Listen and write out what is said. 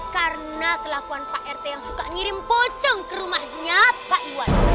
karena kelakuan pak rt yang suka ngirim pojok ke rumahnya pak iwan